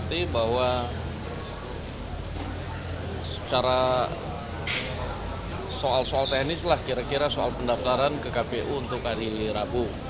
pasti bahwa secara soal soal teknis lah kira kira soal pendaftaran ke kpu untuk hari rabu